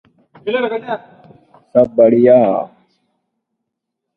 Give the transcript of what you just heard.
It is an electrical insulator.